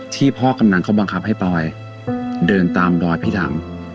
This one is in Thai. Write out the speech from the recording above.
ที่พ่อกำนันเขาบังคับให้ปลอยเดินตามดอยพิษัม